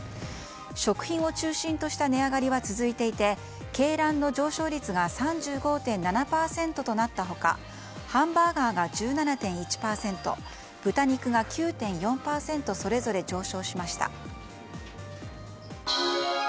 食品を中心とした値上がりは続いていて鶏卵の上昇率が３５．７％となった他ハンバーガーが１７．１％豚肉が９．４％それぞれ上昇しました。